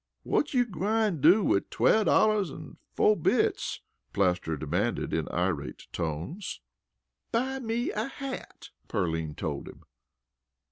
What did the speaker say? "Whut you gwine do wid twelve dollars an' fo' bits?" Plaster demanded in irate tones. "Buy me a hat!" Pearline told him.